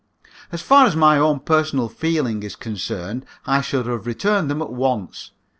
As far as my own personal feeling is concerned, I should have returned them at once.